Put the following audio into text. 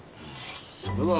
それは。